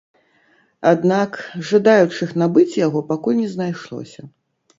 Аднак жадаючых набыць яго пакуль не знайшлося.